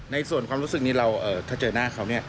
ในส่วนความรู้สึกนี้เราถ้าเจอหน้าเขาเนี่ย